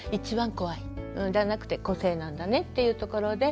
じゃなくて個性なんだねっていうところで。